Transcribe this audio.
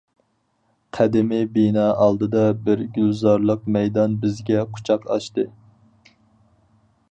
قەدىمى بىنا ئالدىدا بىر گۈلزارلىق مەيدان بىزگە قۇچاق ئاچتى.